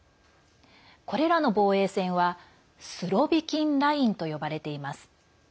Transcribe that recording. これらの防衛線はスロビキン・ラインと呼ばれています。